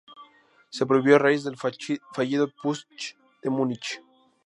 Se prohibió a raíz del fallido Putsch de Múnich.